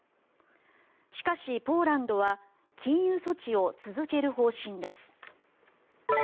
しかし、ポーランドは禁輸措置を続ける方針です。